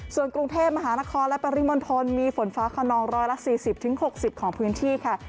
ส่วนกรุงเทพมหานครและปริมณฑลมีฝนฟ้าขนอง๑๔๐๖๐ของพื้นที่ค่ะ